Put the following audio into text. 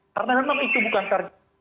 karena memang itu bukan targetnya